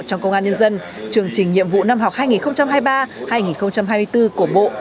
trong công an nhân dân trường trình nhiệm vụ năm học hai nghìn hai mươi ba hai nghìn hai mươi bốn của bộ